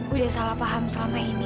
udah salah paham selama ini